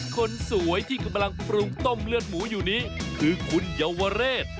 คนสวยที่กำลังปรุงต้มเลือดหมูอยู่นี้คือคุณเยาวเรศ